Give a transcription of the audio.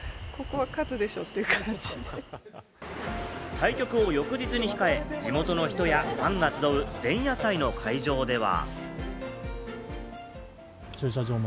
対局を翌日に控え、地元の人やファンが集う、前夜祭の会場では。